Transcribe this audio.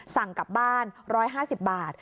สั่งกลับบ้าน๑๕๐บาท